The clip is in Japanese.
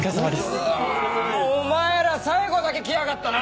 うわお前ら最後だけ来やがったな。